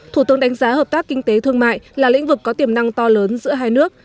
thủ tướng đánh giá hợp tác kinh tế thương mại là lĩnh vực có tiềm năng to lớn giữa hai nước